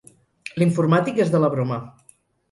L'informàtic és de la broma.